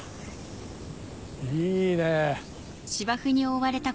いいね。